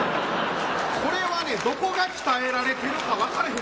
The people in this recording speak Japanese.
これはね、どこか鍛えられてるか分かれへん。